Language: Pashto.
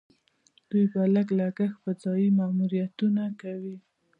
دوی په لږ لګښت فضايي ماموریتونه کوي.